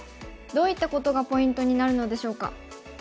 どういったことがポイントになるのでしょうか。